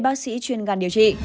bác sĩ chuyên gan điều trị